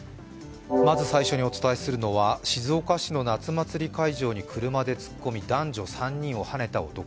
まず最初にお伝えするのは静岡市の夏祭り会場に車で突っ込み、男女３人をはねた男。